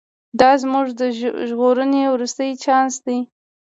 دا زموږ د ژغورنې وروستی چانس دی.